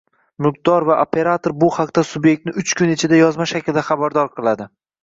mulkdor va operator bu haqda subyektni uch kun ichida yozma shaklda xabardor qiladi.